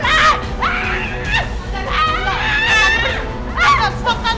gak ada yang bisa tolong kamu